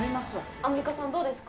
アンミカさん、どうですか？